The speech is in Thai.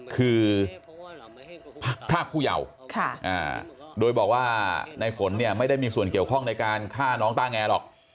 คือพรากผู้เยาว์โดยบอกว่าในฝนเนี่ยไม่ได้มีส่วนเกี่ยวข้องในการฆ่าน้องต้าแงหรอก